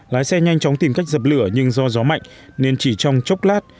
lái xe nhanh chóng tìm cách dập lửa nhưng do gió mạnh nên chỉ trong chốc lát